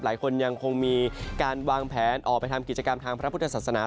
ยังคงมีการวางแผนออกไปทำกิจกรรมทางพระพุทธศาสนา